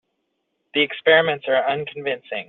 The experiments are unconvincing.